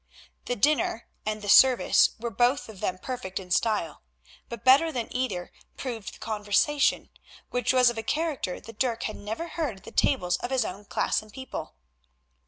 The dinner and the service were both of them perfect in style, but better than either proved the conversation, which was of a character that Dirk had never heard at the tables of his own class and people.